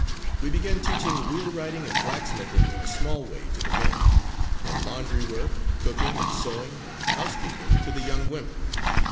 We began teaching wheelwrighting and blacksmithing in a small way to the men, and laundry work, cooking and sewing and housekeeping to the young women.